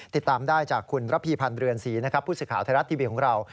ติดตามได้จากคุณระพีพันธ์เรือนศรีนะครับผู้สื่อข่าวไทยรัฐทีวีของเรา